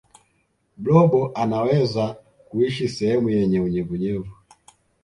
blobo anaweza kuishi sehemu yenye unyevunyevu